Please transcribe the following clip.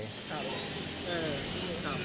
ครับ